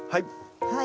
はい。